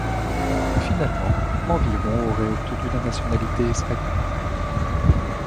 Finalement, environ auraient obtenu la nationalité espagnole.